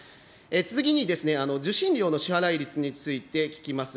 次に、受信料の支払い率について聞きます。